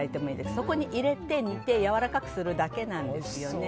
そこに入れて、煮てやわらかくするだけなんです。